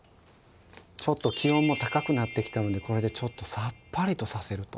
ちょっと気温も高くなってきたのでこれでちょっとさっぱりとさせると。